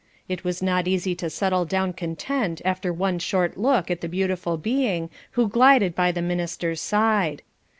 It was not easy to settle down content after one short look at the beautiful being who glided by the minister's side.